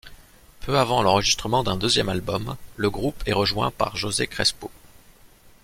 Peu avant l'enregistrement d'un deuxième album, le groupe est rejoint par José Krespo.